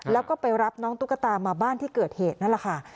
แล้วก็ไปรับน้องตุ๊กตามาบ้านที่เกิดเหตุนั่นแหละค่ะ